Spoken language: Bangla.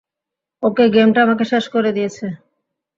ওকে গেমটা আমাকে শেষ করে দিয়েছে।